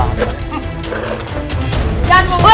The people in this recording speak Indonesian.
jangan mau kabur